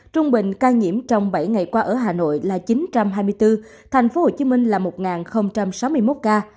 trung bình ca nhiễm trong bảy ngày qua ở hà nội là chín trăm hai mươi bốn tp hcm là một sáu mươi một ca